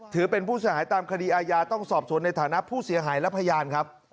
ถือเป็นผู้เสียหายตามคดีอาญาต้องสอบสวนในฐานะผู้เสียหายและพยานครับ